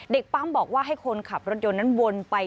ปั๊มบอกว่าให้คนขับรถยนต์นั้นวนไป